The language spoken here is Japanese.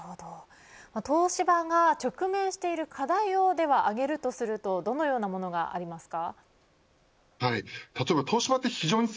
東芝が直面している課題を挙げるとするとどのようなものがありますか。